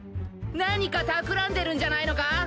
何かたくらんでるんじゃないのか？